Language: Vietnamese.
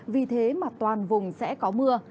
vì thế mà toàn vùng sẽ có mưa